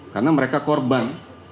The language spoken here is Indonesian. karena mereka korban